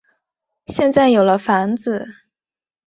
现在有了房子